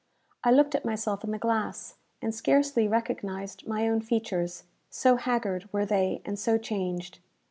I looked at myself in the glass, and scarcely recognized my own features, so haggard were they, and so changed.